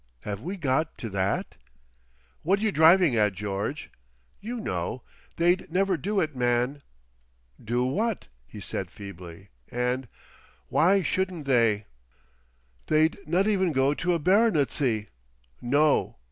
Have we got to that?" "Whad you driving at, George?" "You know. They'd never do it, man!" "Do what?" he said feebly; and, "Why shouldn't they?" "They'd not even go to a baronetcy. _No!